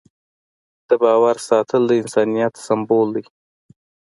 د باور ساتل د انسانیت سمبول دی.